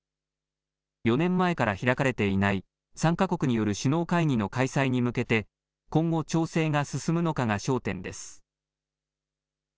４年前から開かれていない３か国による首脳会議の開催に向けて今後、調整が進むのかが焦点です。